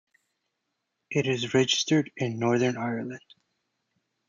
It is registered in Northern Ireland.